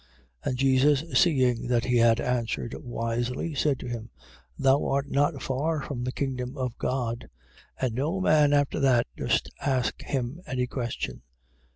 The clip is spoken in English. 12:34. And Jesus seeing that he had answered wisely, said to him: Thou art not far from the kingdom of God. And no man after that durst ask him any question.